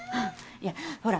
いやほら